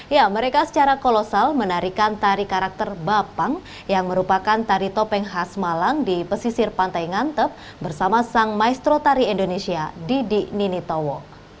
ya mereka secara kolosal menarikan tari karakter bapang yang merupakan tari topeng khas malang di pesisir pantai ngantep bersama sang maestro tari indonesia didi ninitowo